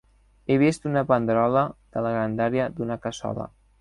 He vist una panderola de la grandària d’una cassola.